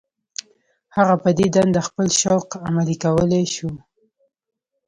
هغه په دې دنده خپل شوق عملي کولای شو.